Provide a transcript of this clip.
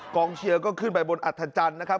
เชียร์ก็ขึ้นไปบนอัธจันทร์นะครับ